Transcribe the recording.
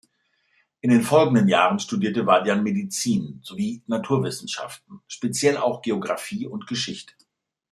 In den folgenden Jahren studierte Vadian Medizin sowie Naturwissenschaften, speziell auch Geographie und Geschichte.